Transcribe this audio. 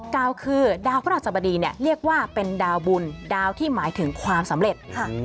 ดาวคือดาวพระราชสบดีเนี่ยเรียกว่าเป็นดาวบุญดาวที่หมายถึงความสำเร็จ